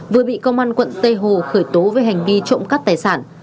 vừa bị công an quận tây hồ khởi tố với hành nghi trộm cắt tài sản